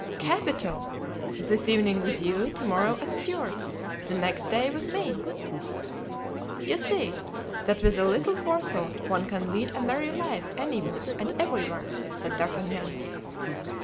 "Capital! This evening with you, to morrow at Stuart's, the next day with me." "You see, that with a little forethought one can lead a merry life anywhere and everywhere," said D'Artagnan.